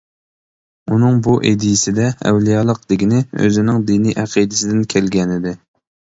ئۇنىڭ بۇ ئىدىيەسىدە «ئەۋلىيالىق» دېگىنى ئۆزىنىڭ دىنىي ئەقىدىسىدىن كەلگەنىدى.